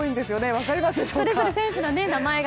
分かりますでしょうか。